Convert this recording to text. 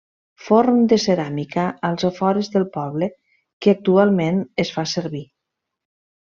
Forn de ceràmica als afores del poble que actualment es fa servir.